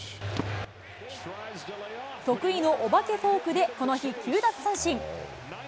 得意のお化けフォークでこの日、９奪三振。